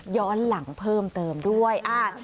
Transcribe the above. ย้อนหลังเพิ่มเติมด้วย